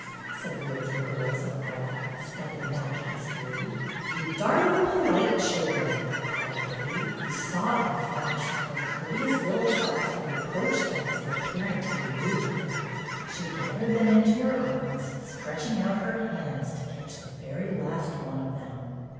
said the older girls in a breath, stepping back hastily. "You darling polite children !" cried Betty, who saw in a flash that their courteous little hearts had reproached them for appearing to 174 BETTY BAIRD'S GOLDEN YEAR be rude to her. She gathered them into her arms, stretching out her hands to catch the very last one of them.